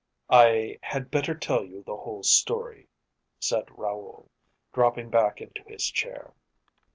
"I had better tell you the whole story," said Raoul, dropping back into his chair.